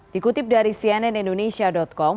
dikutip dari cnnindonesia com